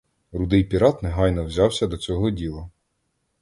Рудий пірат негайно взявся до цього діла.